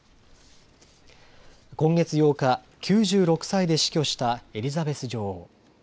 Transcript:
今月８日、９６歳で死去したエリザベス女王。